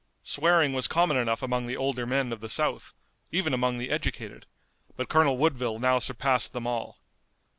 Swearing was common enough among the older men of the South, even among the educated, but Colonel Woodville now surpassed them all.